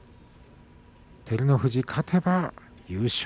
照ノ富士勝てば優勝。